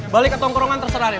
balik ke tongkrongan terserah nih